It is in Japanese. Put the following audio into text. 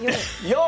４！